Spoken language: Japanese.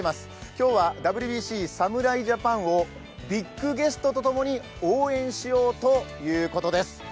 今日は、ＷＢＣ侍ジャパンをビッグゲストともに応援しようということです。